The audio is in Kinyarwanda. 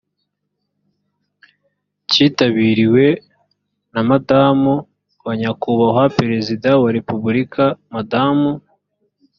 kitabiriwe na madamu wa nyakubahwa perezida wa repubulika madamu